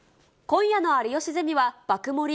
今夜の有吉ゼミは、爆盛り